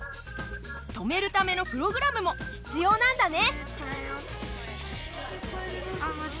止めるためのプログラムも必要なんだね。